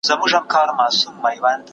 کار د ډلې له خوا ترسره کيږي!